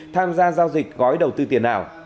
tham gia giao dịch gói đầu tư tiền ảo